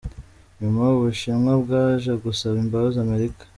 Nyuma u Bushinwa bwaje gusaba imbabazi Amerika.